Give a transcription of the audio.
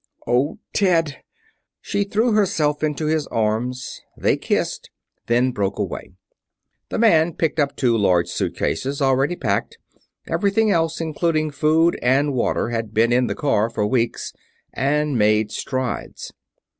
"Oh, Ted!" She threw herself into his arms. They kissed, then broke away. The man picked up two large suitcases, already packed everything else, including food and water, had been in the car for weeks and made strides.